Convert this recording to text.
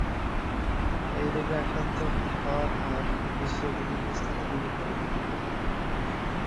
এই রোগে আক্রান্ত হওয়ার হার বিশ্বের বিভিন্ন স্থানে বিভিন্ন রকম।